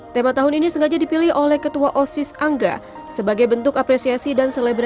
tema tahun ini sengaja dipilih oleh ketua osis angga sebagai bentuk apresiasi dan selebrasi